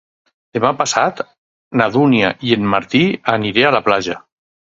Demà passat na Dúnia i en Martí aniré a la platja.